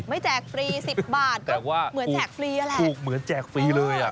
ไม่แจกฟรีสิบบาทเหมือนแจกฟรีอะแหละแต่ว่าคลุกเหมือนแจกฟรีเลยอะ